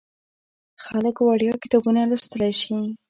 خلک وړیا کتابونه لوستلی شي.